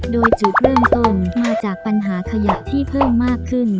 โดยจุดเริ่มต้นมาจากปัญหาขยะที่เพิ่มมากขึ้น